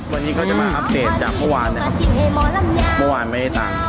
วันนี้เขาจะมาอัปเดตจากเมื่อวานนะครับเมื่อวานไม่ได้ตังค์